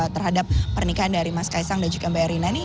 terhadap pernikahan dari mas kaisang dan juga mbak erina nih